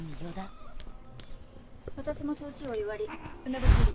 私も焼酎お湯割り梅干し入り。